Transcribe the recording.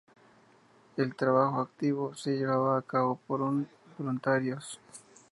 El trabajo activo se llevaba a cabo por voluntarios.